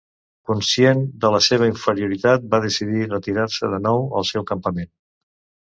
Conscient de la seva inferioritat, va decidir retirar-se de nou al seu campament.